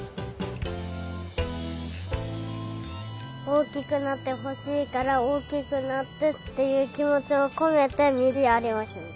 おおきくなってほしいからおおきくなってっていうきもちをこめてみずやりをする。